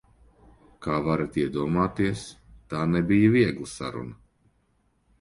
Kā varat iedomāties, tā nebija viegla saruna.